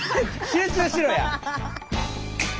集中しろや！